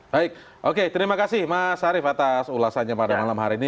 baik oke terima kasih mas arief atas ulasannya pada malam hari ini